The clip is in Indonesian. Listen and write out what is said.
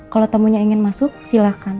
kalau tamunya ingin masuk silahkan